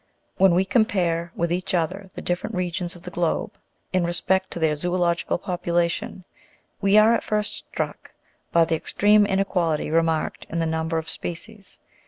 109 When we compare with each other the different regions of the globe, in respect to their zoological population, we are at first struck by the extreme inequality remarked in the number of species.